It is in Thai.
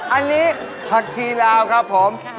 อันนี้ผักชีลาวครับผม